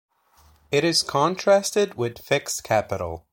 It is contrasted with fixed capital.